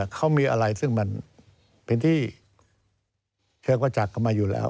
เขามีอะไรซึ่งมันเป็นที่เชิงประจักษ์กันมาอยู่แล้ว